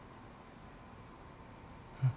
うん。